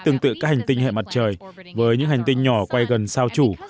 tương tự các hành tinh hệ mặt trời với những hành tinh nhỏ quay gần sao chủ